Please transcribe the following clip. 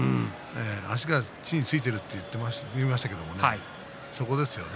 足が地に着いていると言いましたけれどもそこですよね。